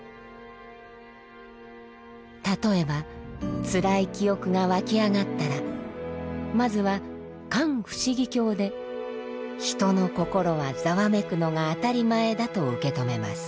例えばつらい記憶が湧き上がったらまずは「観不思議境」で人の心はざわめくのが当たり前だと受け止めます。